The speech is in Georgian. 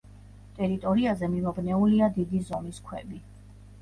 ტერიტორიაზე მიმობნეულია დიდი ზომის ქვები.